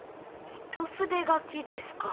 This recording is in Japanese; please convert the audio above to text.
一筆書きですか？